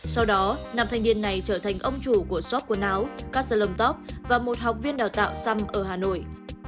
sau đó nàm thanh niên này trở thành ông chủ của shop quần áo castle on top và một học viên đào tạo xăm ở hà nội